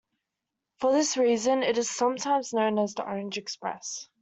For this reason, it is sometimes known as the Orange Express.